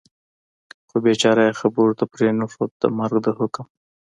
خو بېچاره یې خبرو ته پرېنښود، د مرګ د حکم.